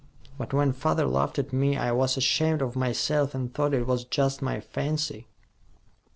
But when father laughed at me, I was ashamed of myself and thought it was just my fancy."